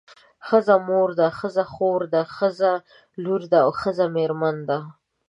ښځه مور ده ښځه خور ده ښځه لور ده او ښځه میرمن ده.